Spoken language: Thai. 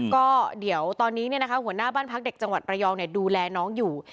ก็เดี๋ยวตอนนี้หัวหน้าบ้านพักเด็กจังหวัดระยองดูแลน้องอยู่